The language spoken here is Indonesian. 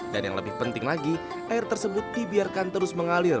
dan yang lebih penting lagi air tersebut dibiarkan terus mengalir